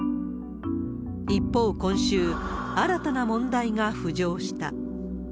一方、今週、新たな問題が浮上した。